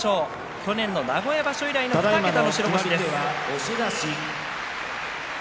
去年の名古屋場所以来の２桁の白星です。